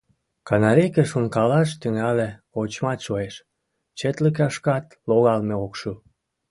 Канарейке шонкалаш тӱҥале — кочмат шуэш, четлыкышкат логалме ок шу.